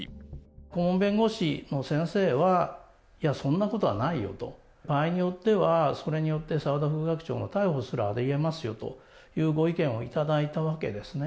顧問弁護士の先生は、いや、そんなことはないよと、場合によってはそれによって、澤田副学長の逮捕すらありえますよというご意見をいただいたわけですね。